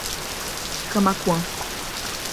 Camaquã